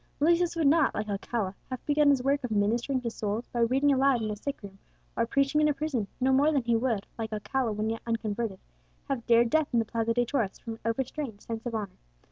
Lucius would not, like Alcala, have begun his work of ministering to souls by reading aloud in a sick room or preaching in a prison, no more than he would, like Alcala when yet unconverted, have dared death in the Plaza de Toros from an overstrained sense of honour.